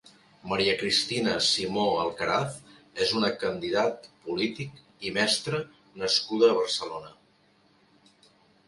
Maria Cristina Simó Alcaraz és una candidat polític i mestra nascuda a Barcelona.